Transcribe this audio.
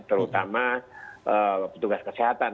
terutama petugas kesehatan